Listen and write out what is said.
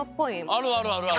あるあるあるある！